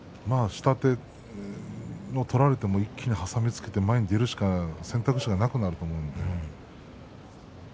下手を取られても一気に挟みつけて前に出るしか選択肢がなくなります。